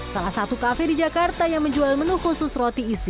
salah satu kafe di jakarta yang menjual menu khusus roti isi